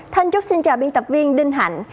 thanh chúc xin chào biên tập viên đinh hạnh